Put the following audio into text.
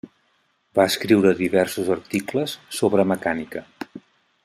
Va escriure diversos articles sobre mecànica.